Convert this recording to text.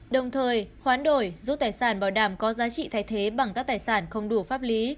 đồng thời hoán đổi giúp tài sản bảo đảm có giá trị thay thế bằng các tài sản không đủ pháp lý